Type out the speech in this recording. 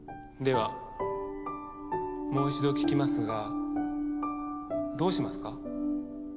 ではもう一度聞きますがどうしますか？